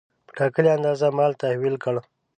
په ټاکلې اندازه مال تحویل کړ.